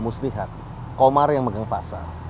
gue mesti lihat komar yang megang pasar